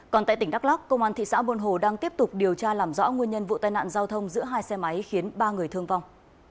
còn tại tỉnh đắk lắc công an thị xã buôn hồ đang tiếp tục điều tra làm rõ nguyên nhân vụ tai nạn giao thông giữa hai xe máy khiến ba người thương vong